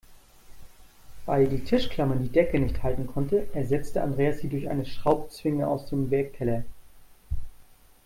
Weil die Tischklammer die Decke nicht halten konnte, ersetzte Andreas sie durch eine Schraubzwinge aus dem Werkkeller.